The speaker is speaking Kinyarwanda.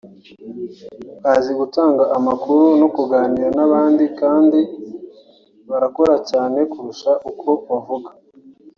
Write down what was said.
bazi gutanga amakuru no kuganira n’abandi kandi barakora cyane kurusha uko bavuga